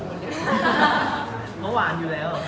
เพราะหวานอยู่แล้ว